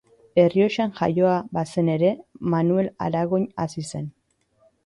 Errioxan jaioa bazen ere, Manuel Aragoin hazi zen.